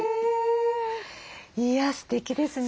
いやすてきですね。